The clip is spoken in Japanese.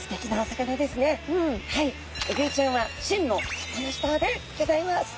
ウグイちゃんは真のサカナスターでギョざいます。